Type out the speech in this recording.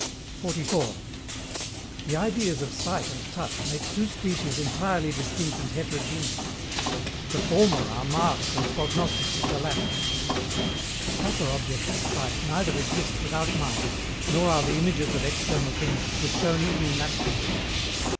44. The ideas of sight and touch make two species entirely distinct and heterogeneous. THE FORMER ARE MARKS AND PROGNOSTICS OF THE LATTER. That the proper objects of sight neither exist without mind, nor are the images of external things, was shown even in that treatise.